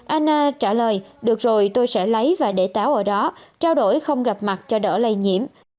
anna trả lời được rồi tôi sẽ lấy và để táo ở đó trao đổi không gặp mặt cho đỡ lây nhiễm